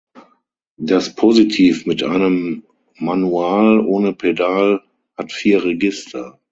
Das Positiv mit einem Manual ohne Pedal hat vier Register.